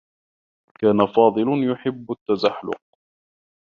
كان فاضل يحبّ التّزحلق.